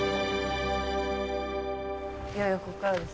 いよいよここからですね。